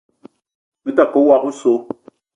Me ta ke woko oso.